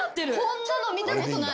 こんなの見たことない。